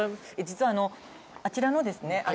実はあちらのですね